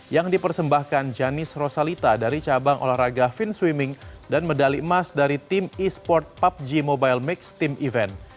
yang dipersembahkan janis rosalita dari cabang olahraga fin swimming dan medali emas dari tim e sport pubg mobile mix team event